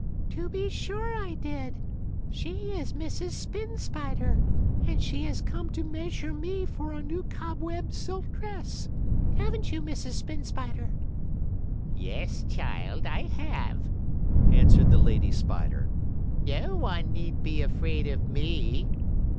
"To be sure I did. She is Mrs. Spin Spider, and she has come to measure me for a new cobweb silk dress; haven't you, Mrs. Spin Spider?" "Yes, child, I have," answered the lady spider. "No one need be afraid of me."